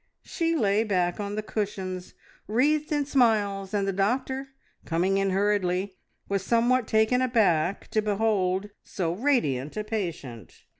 She lay back on the cushions wreathed in smiles, and the doctor, coming in hurriedly, was somewhat taken aback to behold so radiant a patient.